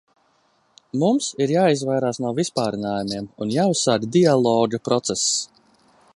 Mums ir jāizvairās no vispārinājumiem un jāuzsāk dialoga process.